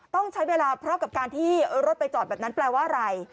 ต้องใช้เวลาเพราะกับการที่รถไปจอดแบบนั้นแปลว่าอะไร